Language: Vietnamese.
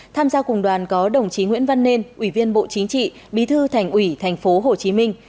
tham gia cùng đoàn có đồng chí nguyễn văn nên ủy viên bộ chính trị bí thư thành ủy thành phố hồ chí minh